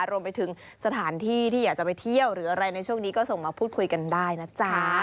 รวมไปถึงสถานที่ที่อยากจะไปเที่ยวหรืออะไรในช่วงนี้ก็ส่งมาพูดคุยกันได้นะจ๊ะ